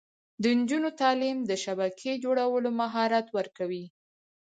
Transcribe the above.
د نجونو تعلیم د شبکې جوړولو مهارت ورکوي.